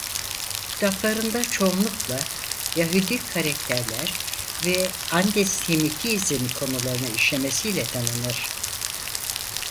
Kitaplarında çoğunlukla Yahudi karakterler ve anti-Semitizm konularını işlemesiyle tanınır.